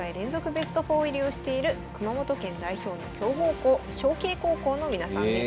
ベスト４入りをしている熊本県代表の強豪校尚絅高校の皆さんです。